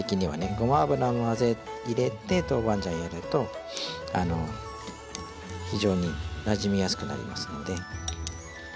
ごま油を混ぜ入れて豆板醤やると非常になじみやすくなりますので。